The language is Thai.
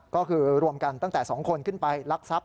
ก็คือรวมกันตั้งแต่๒คนขึ้นไปลักทรัพย